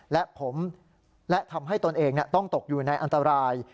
และผมและทำให้ตนเองต้องตกอยู่ในอันตราย